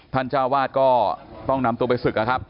ท่านเจ้าวาสก็ต้องนำตัวไปศึกครับ